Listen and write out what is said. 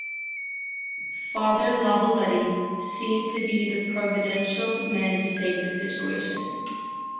Father Lavalette seemed to be the providential man to save the situation.